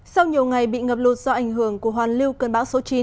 sau nhiều ngày bị ngập lụt do ảnh hưởng của hoàn lưu cơn bão số chín